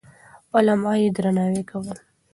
علما يې درناوي کول.